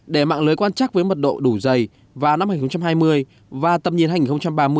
để mạng lưới quan trắc với mật độ đủ dày vào năm hai nghìn hai mươi và tầm nhiên hành hai nghìn ba mươi